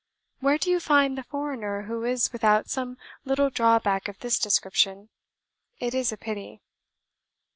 Where do you find the foreigner who is without some little drawback of this description? It is a pity."